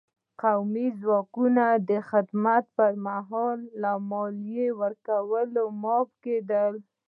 قومي ځواکونه د خدمت په مهال له مالیې ورکولو معاف کېدل.